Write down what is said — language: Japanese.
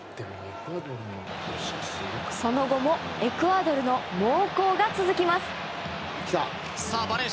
その後もエクアドルの猛攻が続きます。